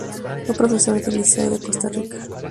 Fue profesor del Liceo de Costa Rica.